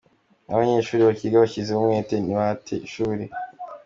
Nk’abanyeshuri bakiga bashyizeho umwete, ntibate ishuri.